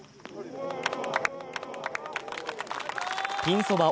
ピンそば